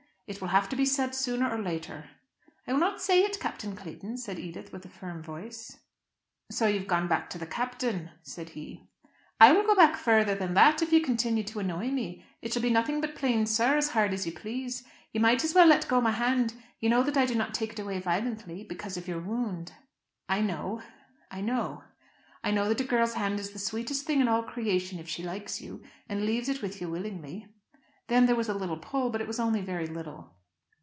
It will have to be said sooner or later." "I will not say it, Captain Clayton," said Edith with a firm voice. "So you have gone back to the Captain," said he. "I will go back further than that, if you continue to annoy me. It shall be nothing but plain 'sir,' as hard as you please. You might as well let go my hand; you know that I do not take it away violently, because of your wound." "I know I know I know that a girl's hand is the sweetest thing in all creation if she likes you, and leaves it with you willingly." Then there was a little pull, but it was only very little.